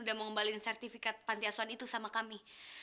udah mau ngembalikan sertifikat panti asuhan itu sama kami